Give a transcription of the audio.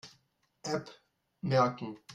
App merken.